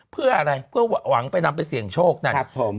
เพื่ออะไรเพื่อหวังไปนำไปเสี่ยงโชคนะครับผม